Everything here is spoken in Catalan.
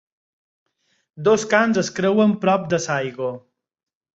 Dos gossos es creuen prop de l'aigua.